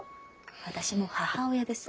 私もう母親です。